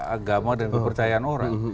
agama dan kepercayaan orang